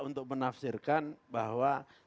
untuk menafsirkan bahwa